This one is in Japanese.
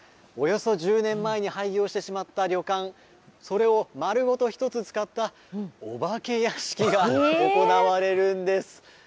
およそ１０年前に廃業してしまった旅館それを丸ごと１つ使ったお化け屋敷が行われるんです。